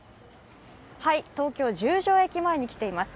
東京・十条駅前に来ています